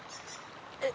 えっ？